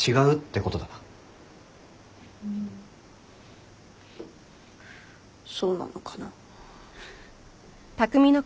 うんそうなのかな。